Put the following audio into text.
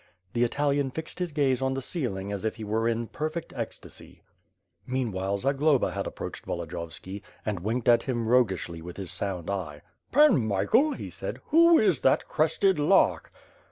The Italian fixed his gaze on the ceiling as if he were in perfect ecstasy. Meanwhile Zagloba had approached Volodiyovski, and winked at him roguishly with his sound eye. "Pan Michael," he said, "who is that crested lark?"